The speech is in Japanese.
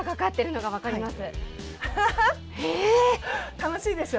楽しいでしょ？